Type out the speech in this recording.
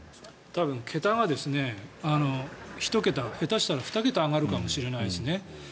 多分、桁が１桁下手したら２桁上がるかもしれないですね。